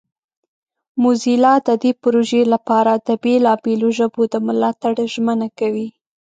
موزیلا د دې پروژې لپاره د بیلابیلو ژبو د ملاتړ ژمنه کوي.